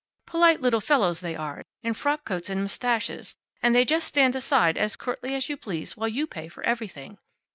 Polite little fellows, they are, in frock coats, and mustaches, and they just stand aside, as courtly as you please, while you pay for everything.